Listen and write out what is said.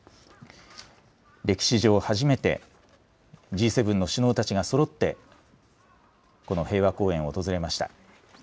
歴史上、初めてＧ７の首脳たちがそろってこの平和公園を訪れました。